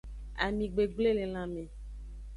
Ami gbegble le lanme.